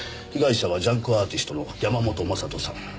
被害者はジャンクアーティストの山本将人さん。